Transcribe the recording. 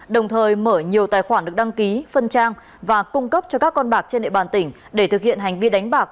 đồng thời mở nhiều tài khoản được đăng ký phân trang và cung cấp cho các con bạc trên địa bàn tỉnh để thực hiện hành vi đánh bạc